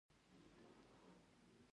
مجاهد د وسلې تر څنګ دعا هم کوي.